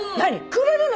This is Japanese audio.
くれるの！？